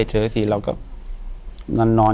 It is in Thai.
อยู่ที่แม่ศรีวิรัยิลครับ